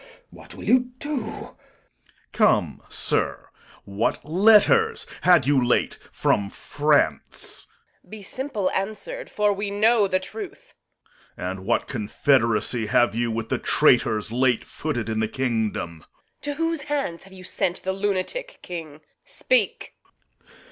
What will you do? Corn. Come, sir, what letters had you late from France? Reg. Be simple answer'd, for we know the truth. Corn. And what confederacy have you with the traitors Late footed in the kingdom? Reg. To whose hands have you sent the lunatic King? Speak.